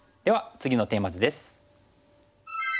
次のテーマ図です。